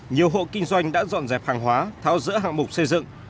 nhiều hộ kinh doanh đã dọn dẹp hàng hóa tháo rỡ hạng mục xây dựng